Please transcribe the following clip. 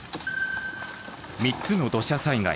３つの土砂災害。